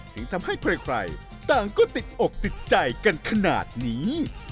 ถึงทำให้ใครต่างก็ติดอกติดใจกันขนาดนี้